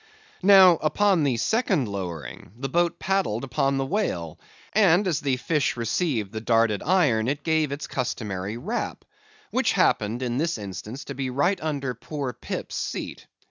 Now upon the second lowering, the boat paddled upon the whale; and as the fish received the darted iron, it gave its customary rap, which happened, in this instance, to be right under poor Pip's seat.